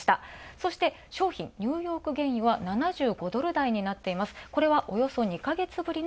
そして商品ニューヨーク原油は７５ドル台になってます。